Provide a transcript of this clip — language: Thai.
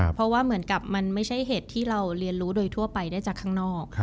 เพราะว่าเหมือนกับมันไม่ใช่เห็ดที่เราเรียนรู้โดยทั่วไปได้จากข้างนอก